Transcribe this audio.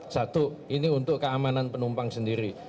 satu ini untuk keamanan penumpang sendiri